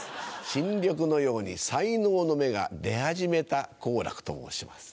新緑のように才能の芽が出始めた好楽と申します。